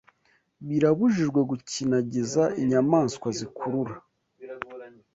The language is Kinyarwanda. birabujijwe gukinagiza inyamaswa zikurura